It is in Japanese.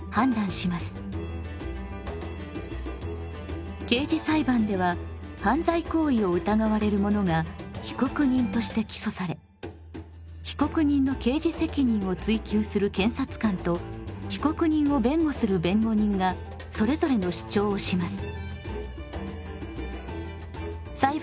一方刑事裁判では犯罪行為を疑われる者が被告人として起訴され被告人の刑事責任を追及する検察官と被告人を弁護する弁護人がそれぞれの主張をします。